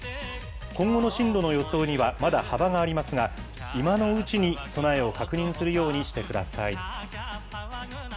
今後の進路予想にはまだ幅がありますが、今のうちに備えを確認するようにしてください。